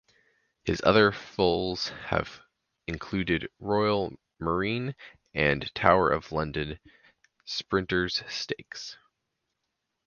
His other foals have included Royal Marine and Tower of London (Sprinters Stakes).